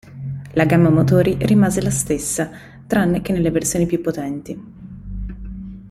La gamma motori rimase la stessa tranne che nelle versioni più potenti.